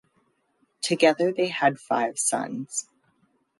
Together they had five sons.